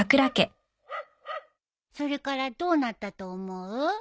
それからどうなったと思う？